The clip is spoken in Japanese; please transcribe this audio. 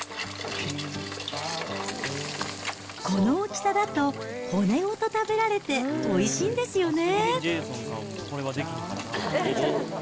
この大きさだと、骨ごと食べられて、おいしいんですよね。